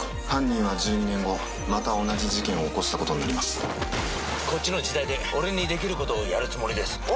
犯人は１２年後また同じ事件をこっちの時代で俺にできることをやるつもりです。